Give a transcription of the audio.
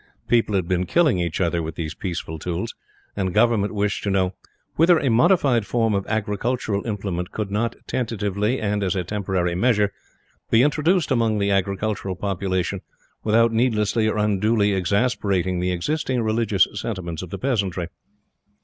People had been killing each other with those peaceful tools; and Government wished to know "whether a modified form of agricultural implement could not, tentatively and as a temporary measure, be introduced among the agricultural population without needlessly or unduly exasperating the existing religious sentiments of the peasantry."